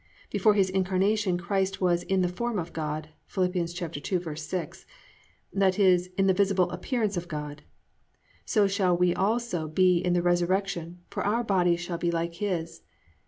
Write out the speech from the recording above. Before His incarnation Christ was "in the form of God." (Phil. 2:6), i.e., in the visible appearance of God. So shall we also be in the resurrection, for our bodies shall be like His.